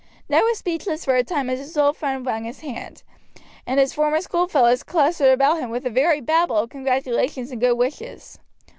Ned was speechless for some time as his old friend wrung his hand, and his former schoolfellows clustered round him with a very Babel of congratulations and good wishes.